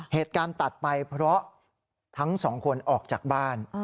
เหตุการณ์ตัดไปเพราะทั้งสองคนออกจากบ้าน